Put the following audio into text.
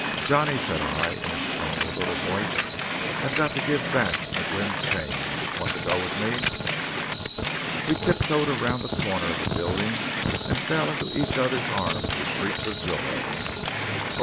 "Johnny," said I, in a strangled little voice, "I've got to give back McGlynn's change. Want to go with me?" We tiptoed around the corner of the building, and fell into each other's arms with shrieks of joy. "Oh!"